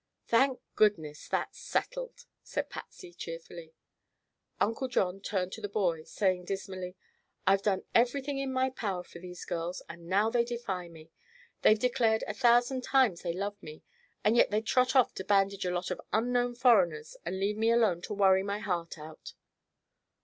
"Thank goodness, that's settled," said Patsy cheerfully. Uncle John turned to the boy, saying dismally: "I've done everything in my power for these girls, and now they defy me. They've declared a thousand times they love me, and yet they'd trot off to bandage a lot of unknown foreigners and leave me alone to worry my heart out."